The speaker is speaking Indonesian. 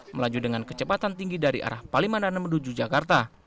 melaju dengan kecepatan tinggi dari arah palimanan menuju jakarta